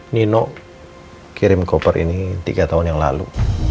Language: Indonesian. nino kirim koper ini tiga tahun yang lalu